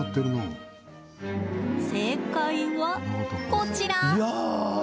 正解はこちら！